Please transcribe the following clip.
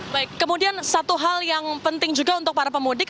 baik kemudian satu hal yang penting juga untuk para pemudik